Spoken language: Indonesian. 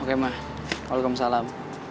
oke ma waalaikumsalam